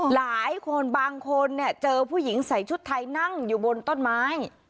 หลายคนบางคนเนี่ยเจอผู้หญิงใส่ชุดไทยนั่งอยู่บนต้นไม้